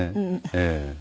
ええ。